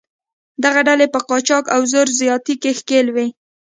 دغه ډلې په قاچاق او زور زیاتي کې ښکېل وې.